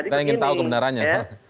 kita ingin tahu kebenarannya